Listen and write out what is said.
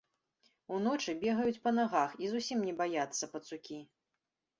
Уночы бегаюць па нагах і зусім не баяцца пацукі.